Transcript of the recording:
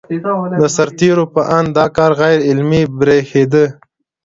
د سرتېرو په اند دا کار غیر عملي برېښېده.